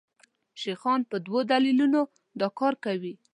شیخان په دوو دلیلونو دا کار کوي.